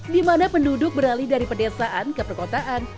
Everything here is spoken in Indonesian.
dimana penduduk beralih dari pedesaan ke perkotaan